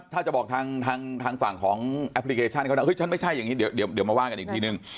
ถ้าจะบอกทางฝั่งของแอปพลิเคชันเขานะฉันไม่ใช่อย่างนี้เดี๋ยวมาว่ากันอีกทีนึง